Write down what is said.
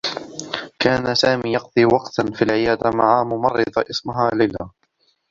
كان سامي يقضي وقتا في العيادة مع ممرّضة اسمها ليلى.